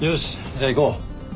じゃあ行こう。